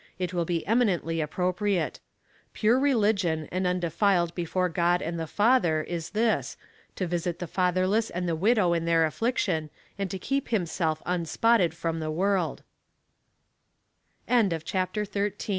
It will be eminently appropriate :*' Pure relig ion, and undefiled before God and the Father, is this, To visit the fatherless and the widow in their affliction, and to keep h'mself unspotted from t